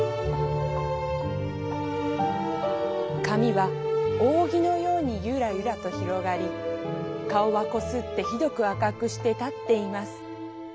「髪は扇のようにゆらゆらとひろがり顔はこすってひどく赤くして立っています。